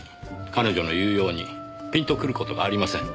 彼女の言うようにピンとくる事がありません。